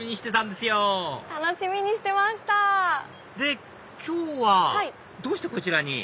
で今日はどうしてこちらに？